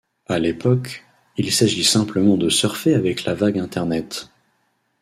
À l’époque, il s’agit simplement de surfer avec la vague Internet.